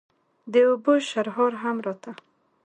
د اوبو شرهار هم راته.